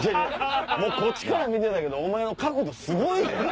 こっちから見てたけどお前の角度すごいで！